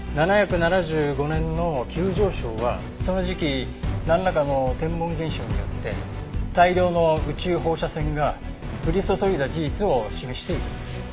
７７５年の急上昇はその時期なんらかの天文現象によって大量の宇宙放射線が降り注いだ事実を示しているんです。